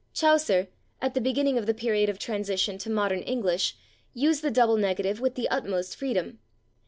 Chaucer, at the beginning of the period of transition to Modern English, used the double negative with the utmost freedom.